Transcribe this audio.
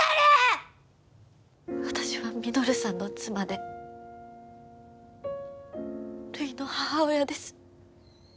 私は稔さんの妻でるいの母親です。